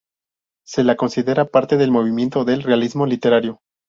Se la considera parte del movimiento del realismo literario.